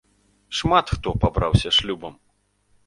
Шмат хто пабраўся шлюбам.